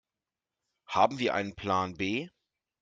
Haben wir einen Plan B?